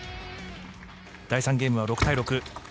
第３ゲームは６対６。